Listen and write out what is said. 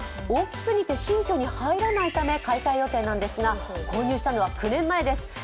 大きすぎて新居に入らないため買い替え予定なんですが購入したのは９年前です。